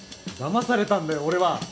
だまされたんだよ俺は。